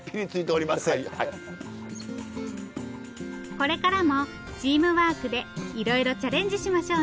これからもチームワークでいろいろチャレンジしましょうね